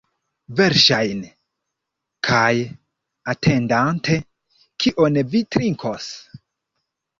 Verŝajne. Kaj atendante, kion vi trinkos?